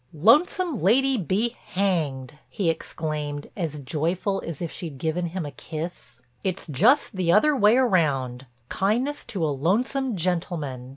"Lonesome lady be hanged," he exclaimed as joyful as if she'd given him a kiss, "it's just the other way round—kindness to a lonesome gentleman.